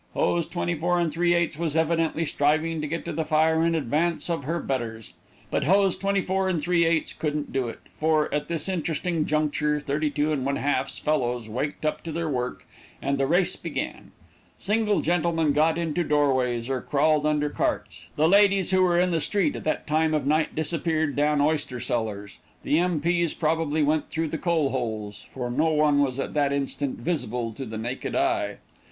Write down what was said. Hose 24 3/8 was evidently striving to get to the fire in advance of her betters, but Hose 24 3/8 couldn't do it for, at this interesting juncture, 32 1/2's fellows waked up to their work, and the race began. Single gentlemen got into door ways, or crawled under carts; the ladies who were in the street at that time of night disappeared down oyster cellars; the M.P.s probably went through the coal holes, for not one was at that instant "visible to the naked eye."